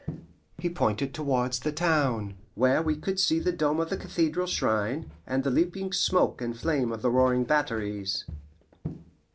He pointed towards the town, where we could see the dome of the cathedral shine, and the leaping smoke and flame of the roaring batteries.